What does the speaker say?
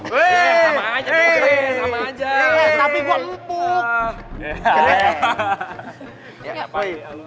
eh sama aja tapi gua empuk